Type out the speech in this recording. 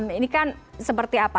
ini kan seperti apa